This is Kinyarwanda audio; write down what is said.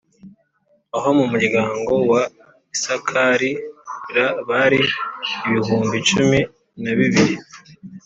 Abo mu muryango wa isakari r bari ibihumbi cumi na bibiri